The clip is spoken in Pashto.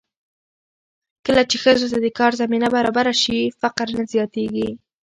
کله چې ښځو ته د کار زمینه برابره شي، فقر نه زیاتېږي.